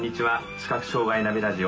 「視覚障害ナビ・ラジオ」